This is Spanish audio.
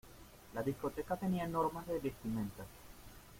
La discoteca tenía unas normas de vestimenta.